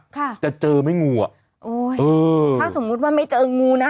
ค่ะจะเจอไหมงูอ่ะโอ้ยเออถ้าสมมุติว่าไม่เจองูนะ